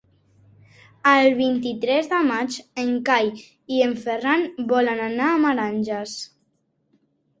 El vint-i-tres de maig en Cai i en Ferran volen anar a Meranges.